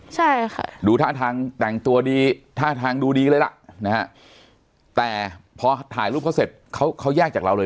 ใช่ค่ะค่ะ